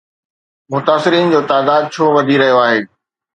متاثرين جو تعداد ڇو وڌي رهيو آهي؟